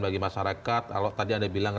bagi masyarakat kalau tadi anda bilang